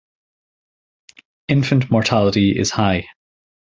Infant mortality is high.